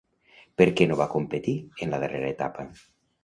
Per què no va competir en la darrera etapa?